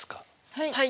はい。